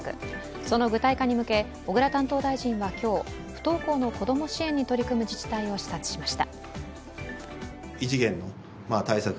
その具体化に向け、小倉担当大臣は今日、不登校の子供支援に取り組む自治体を視察しました。